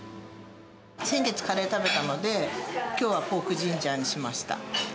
先月カレー食べたので、きょうはポークジンジャーにしました。